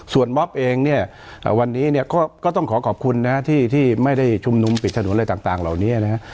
ส่วนม็อบเองเนี่ยวันนี้เนี่ยก็ต้องขอขอบคุณนะที่ไม่ได้ชุมนุมปิดถนนอะไรต่างเหล่านี้นะฮะ